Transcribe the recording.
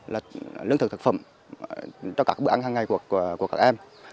là lương thực thực phẩm cho các bữa ăn hàng ngày của các em